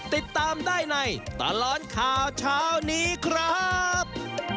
ติดตามได้ในตลอดข่าวเช้านี้ครับ